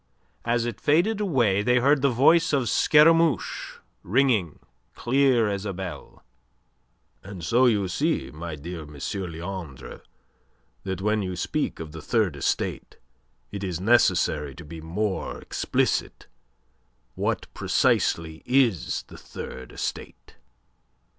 As it faded away they heard the voice of Scaramouche ringing clear as a bell: "And so you see, my dear M. Leandre, that when you speak of the Third Estate, it is necessary to be more explicit. What precisely is the Third Estate?"